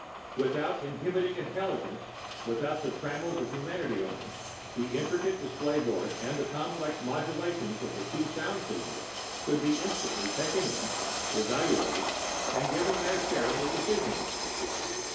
Without inhibiting intelligence, without the trammels of humanity on him, the intricate display board and the complex modulations of the two sound signals could be instantly taken in, evaluated and given their share in the decision.